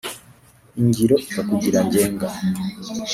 Ingiro ikakugira ngenga